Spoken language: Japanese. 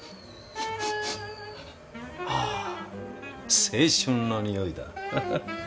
ああ青春のにおいだ！